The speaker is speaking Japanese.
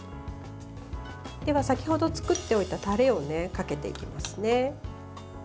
では、先程作っておいたタレをかけていきますね。